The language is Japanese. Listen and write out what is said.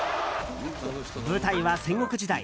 舞台は戦国時代。